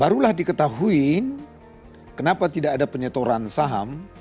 barulah diketahui kenapa tidak ada penyetoran saham